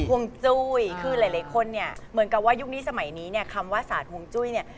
ห่วงจุ้ยคือหลายคนเนี่ยเหมือนกับว่ายุคนี้สมัยนี้เนี่ยคำว่าศาสตร์ห่วงจุ้ยเนี่ย